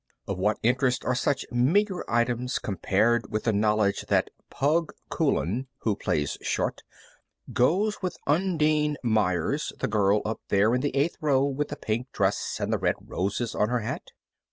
Of what interest are such meager items compared with the knowledge that "Pug" Coulan, who plays short, goes with Undine Meyers, the girl up there in the eighth row, with the pink dress and the red roses on her hat?